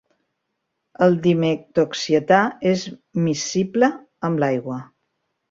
El dimetoxietà és miscible amb l'aigua.